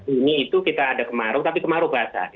ini itu kita ada kemarau tapi kemarau basah